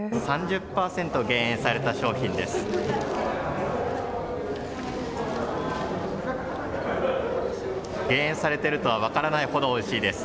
３０％減塩された商品です。